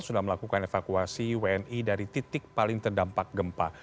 sudah melakukan evakuasi wni dari titik paling terdampak gempa